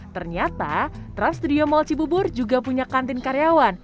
ternyata trans studio mall cibubur juga punya kantin karyawan